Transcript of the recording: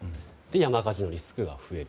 山火事のリスクが増える。